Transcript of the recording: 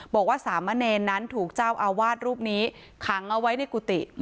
บอกว่าสามเณรนั้นถูกเจ้าอาวาสรูปนี้ขังเอาไว้ในกุฏิ